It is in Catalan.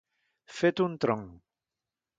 Fet un tronc.